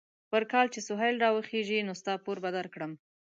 پر کال چې سهيل را وخېژي؛ نو ستا پور به در کړم.